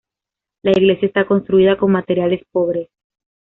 La iglesia está construida con materiales pobres.